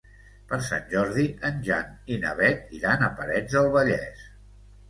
Per Sant Jordi en Jan i na Beth iran a Parets del Vallès.